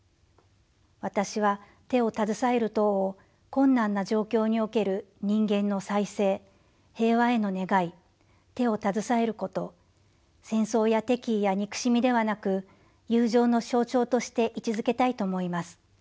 「私は『手をたずさえる塔』を困難な状況における人間の再生平和への願い手をたずさえること戦争や敵意や憎しみではなく友情の象徴として位置づけたいと思います。